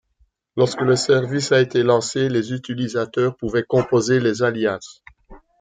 Lorsque le service a été lancé, les utilisateurs pouvaient composer les alias.